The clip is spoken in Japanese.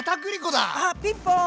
あっピンポーン！